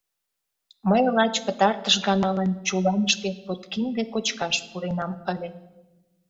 Мый лач пытартыш ганалан чуланышке подкинде кочкаш пуренам ыле.